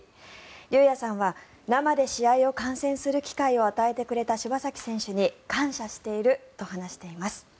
龍弥さんは生で試合を観戦する機会を与えてくれた柴崎選手に感謝していると話しています。